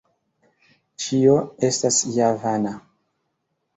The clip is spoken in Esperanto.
Ĉio estas ja vana.